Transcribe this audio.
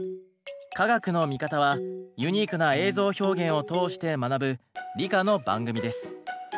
「カガクノミカタ」はユニークな映像表現を通して学ぶ理科の番組です。